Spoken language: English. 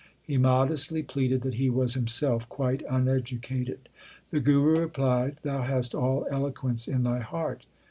He modestly pleaded that he was himself quite uneducated. The Guru replied, Thou hast all eloquence in thy heart.